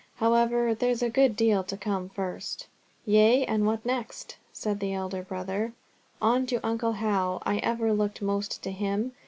"However, there's a good deal to come first." "Yea, and what next?" said the elder brother. "On to uncle Hal. I ever looked most to him.